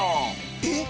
えっ！